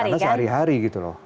karena sehari hari gitu loh